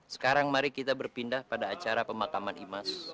sekarang mari kita berpindah pada acara pemakaman imas